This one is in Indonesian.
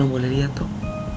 nona boleh lihat tuh